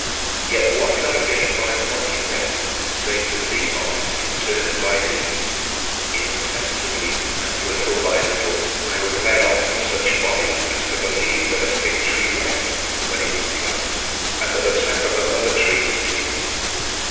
Yet what did I gain by mocking them save to be mocked in turn by thee? Insensibly and little by little, I was led on to such follies as to believe that a fig tree wept when it was plucked and that the sap of the mother tree was tears.